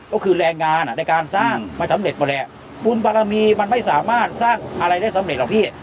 ก็คือแรงงานในการสร้างมันสำเร็จหมดแล้วบุญบารมีมันไม่สามารถสร้างอะไรได้สำเร็จหรอกพี่